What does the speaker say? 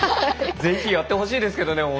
ぜひやってほしいですけどね